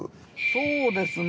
そうですね。